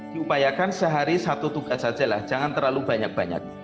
diupayakan sehari satu tugas sajalah jangan terlalu banyak banyak